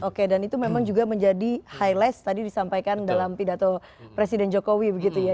oke dan itu memang juga menjadi highlight tadi disampaikan dalam pidato presiden jokowi begitu ya